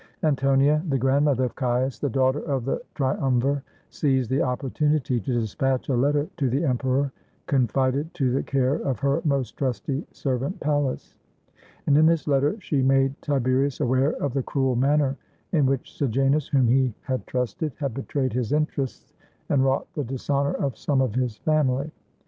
An tonia, the grandmother of Caius, the daughter of the triumvir, seized the opportunity to dispatch a letter to the emperor, confided to the care of her most trusty servant, Pallas; and in this letter she made Tiberius aware of the cruel manner in which Sejanus, whom he had trusted, had betrayed his interests and wrought the dishonor of some of his family.